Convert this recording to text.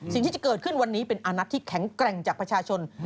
สิ่งที่จะเกิดขึ้นวันนี้เป็นอานัทที่แข็งแกร่งจากประชาชน